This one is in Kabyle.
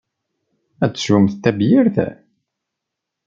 Ad teswem tabyirt?